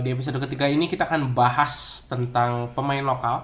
di episode ketiga ini kita akan bahas tentang pemain lokal